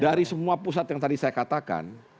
karena semua pusat yang tadi saya katakan